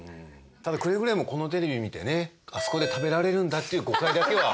ただくれぐれもこのテレビ見てねあそこで食べられるんだっていう誤解だけは。